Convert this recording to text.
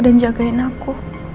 dan jagain aku